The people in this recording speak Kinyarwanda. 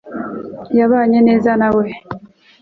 Yabanye neza na we